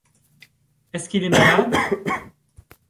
Est-ce qu'il est malade ?